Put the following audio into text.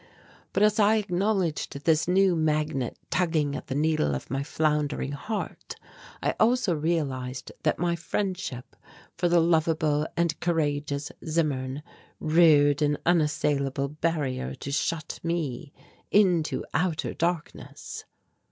But as I acknowledged this new magnet tugging at the needle of my floundering heart, I also realized that my friendship for the lovable and courageous Zimmern reared an unassailable barrier to shut me into outer darkness.